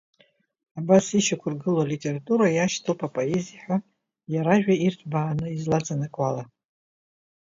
Абас ишьақәыргылоу алитература иашьҭоуп апоезиа ҳәа иара ажәа ирҭбааны излаҵанакуала.